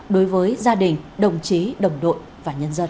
đối với gia đình đồng chí đồng đội và nhân dân